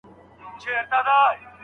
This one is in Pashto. د مزاج یووالی د څېړني بهیر ډېر اسانه کوي.